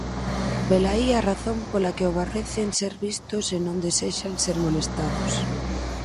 Velaí a razón pola que aborrecen ser vistos e non desexan ser molestados.